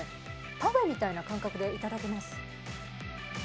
パフェみたいな感覚でいただけます。